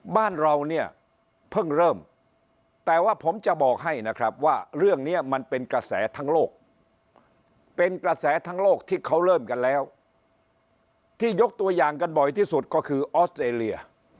บ้านเราเนี่ยเพิ่งเริ่มแต่ว่าผมจะบอกให้นะครับว่าเรื่องนี้มันเป็นกระแสทั้งโลกเป็นกระแสทั้งโลกที่เขาเริ่มกันแล้วที่ยกตัวอย่างกันบ่อยที่สุดก็คือออสเตรเลีย